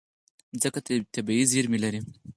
مځکه طبیعي زیرمې لري.